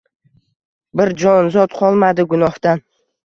Bir jonzot qolmadi gunohdan.